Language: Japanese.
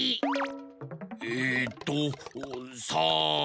えっとさん。